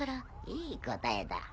いい答えだ